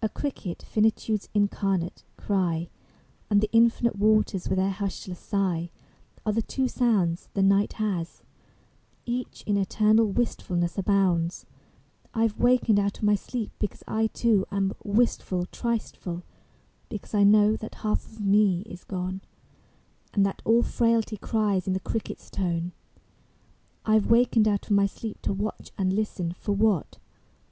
A cricket, finitude's incarnate cry, And the infinite waters with their hushless sigh Are the two sounds The night has: Each in eternal wistfulness abounds. II I have wakened out of my sleep because I too Am wistful, Tristeful; Because I know that half of me is gone, And that all frailty cries in the cricket's tone. I have wakened out of my sleep to watch and listen. For what?